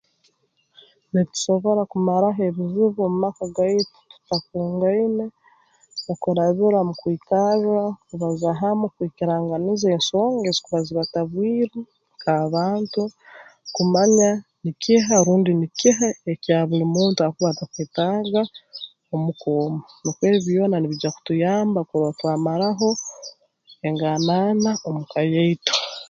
Nitusobora kumaraho ebizibu omu maka gaitu tutakungaine okurabira mu kwikarra kubaza hamu kwikiranganiza ensonga ezikuba zibatabwire nk'abantu kumanya nikiha rundi nikiha ekya buli muntu akuba atakwetaaga omu ka omu nukwe ebi byona nibiija kutayamba kurora twamaraho enganaana omu ka yaitu